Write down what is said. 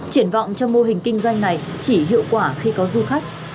triển vọng cho mô hình kinh doanh này chỉ hiệu quả khi có du khách